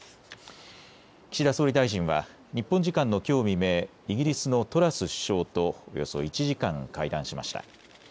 岸田総理大臣は日本時間のきょう未明、イギリスのトラス首相とおよそ１時間、会談しました。